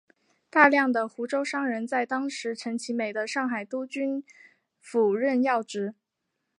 大量的湖州商人在当时陈其美的上海督军府任要职。